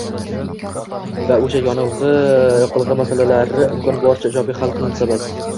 va o‘sha yoqilg‘i masalalarini imkon boricha ijobiy hal qilsak bas.